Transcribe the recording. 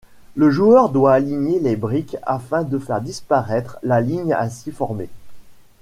Le joueur doit aligner les briques afin de faire disparaître la ligne ainsi formée.